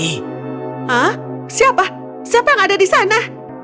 hah siapa siapa yang ada di sana